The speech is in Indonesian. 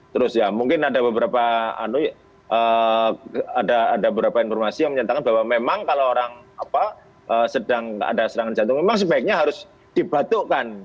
terus ya mungkin ada beberapa informasi yang menyatakan bahwa memang kalau orang sedang ada serangan jantung memang sebaiknya harus dibatukkan